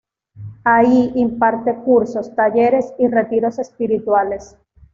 Ahí imparte cursos, talleres y retiros espirituales.